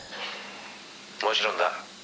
「もちろんだ」